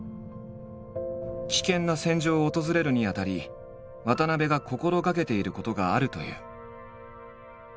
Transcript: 危険な戦場を訪れるにあたり渡部が心がけていることがあるという。